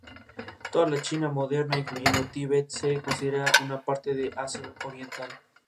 La autoridad de Ibrahim comenzó a declinar en la última parte de su gobierno.